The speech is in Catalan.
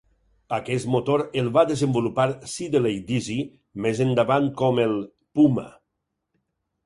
Aquest motor el va desenvolupar Siddeley-Deasy més endavant com el "Puma".